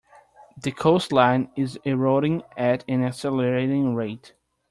The coastline is eroding at an accelerating rate.